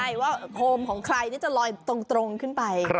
ใช่ว่าโคมของใครจะลอยตรงขึ้นไป